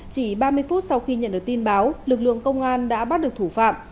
chỉ ba mươi phút sau khi nhận được tin báo lực lượng công an đã bắt được thủ phạm